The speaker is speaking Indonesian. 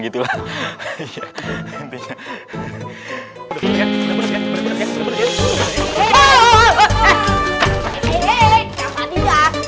eh apa dia